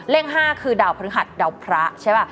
๕คือดาวพฤหัสดาวพระใช่ป่ะ